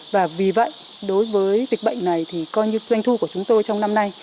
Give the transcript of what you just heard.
và vì vậy đối với dịch bệnh này thì coi như doanh thu của chúng tôi trong năm nay